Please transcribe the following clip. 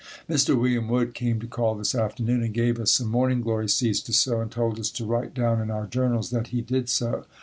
Mr. William Wood came to call this afternoon and gave us some morning glory seeds to sow and told us to write down in our journals that he did so.